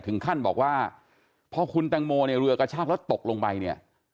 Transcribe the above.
ถึงขั้นบอกว่าพอคุณตังโมเนี่ยเรือกระชากแล้วตกลงไปเนี่ย